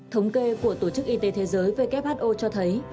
thống kê của tổ chức y tế thế giới who cho thấy